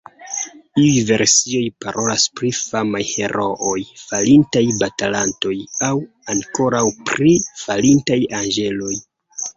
Iuj versioj parolas pri famaj herooj, falintaj batalantoj aŭ ankaŭ pri falintaj anĝeloj.